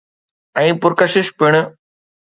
۽ پرڪشش پڻ.